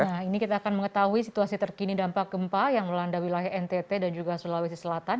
nah ini kita akan mengetahui situasi terkini dampak gempa yang melanda wilayah ntt dan juga sulawesi selatan